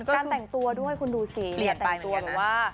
การแต่งตัวด้วยคุณดูสีแต่งตัวหรือว่า